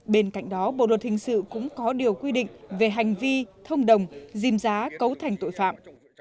bên cạnh đó bộ luật hình sự cũng có điều quy định về hành vi thông đồng dìm giá cấu thành tội phạm